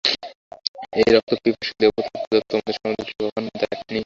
এই রক্তপিপাসু দেবতার পূজা তোমাদের সমাজে কি কখনো দেখ নি?